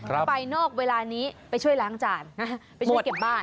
ถ้าไปนอกเวลานี้ไปช่วยล้างจานไปช่วยเก็บบ้าน